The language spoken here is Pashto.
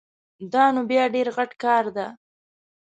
دا نو بیا ډېر غټ کار ده